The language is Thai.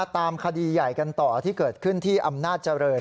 ตามคดีใหญ่กันต่อที่เกิดขึ้นที่อำนาจเจริญ